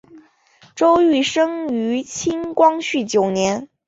周珏生于清光绪九年。